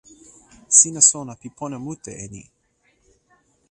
sina sona pi pona mute e ni.